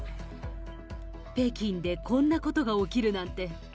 北京でこんなことが起きるなんて。